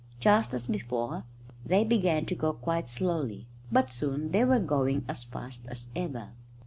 Just as before, they began to go quite slowly, but soon they were going as fast as ever.